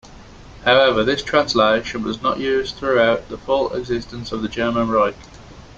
However, this translation was not used throughout the full existence of the German Reich.